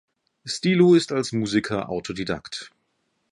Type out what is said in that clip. Stilo ist als Musiker Autodidakt.